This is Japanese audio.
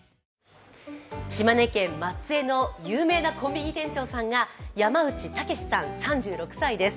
島根県松江の有名なコンビニ店長さんが山内剛さん３６歳です。